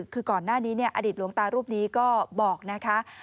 คือก่อนหน้านี้อดีตหลวงตารูปนี้ก็บอกนะคะ